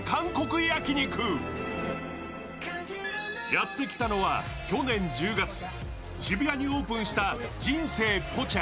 やってきたのは、去年１０月、渋谷にオープンした人生ポチャ。